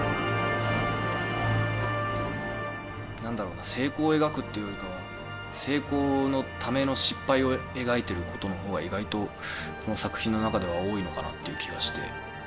何だろうな成功を描くっていうよりかは成功のための失敗を描いていることの方が意外とこの作品の中では多いのかなっていう気がして。